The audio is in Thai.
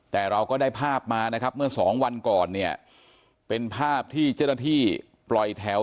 แต่เราก็ได้ภาพมานะครับเมื่อสองวันก่อนเนี่ยเป็นภาพที่เจ้าหน้าที่ปล่อยแถว